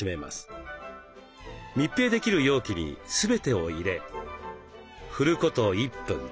密閉できる容器に全てを入れ振ること１分。